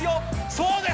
そうです！